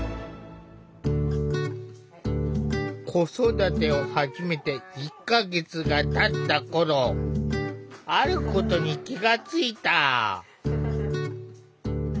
子育てを始めて１か月がたった頃あることに気が付いた。